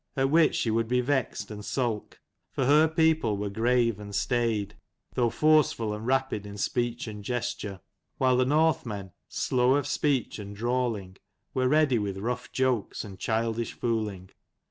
At which she would be vexed and sulk : for her people were grave and staid, though forceful and rapid in speech and gesture : while the Northmen, slow of speech and drawling, were ready with rough jokes and childish fooling.